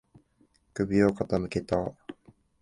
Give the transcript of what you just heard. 首を傾けた。